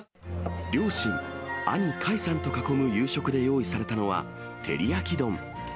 両親、兄、魁さんと囲む夕食で用意されたのは、照り焼き丼。